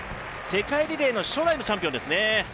世界リレーの初代チャンピオンですね。